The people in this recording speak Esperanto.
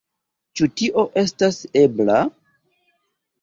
Ĉu tio estas ebla?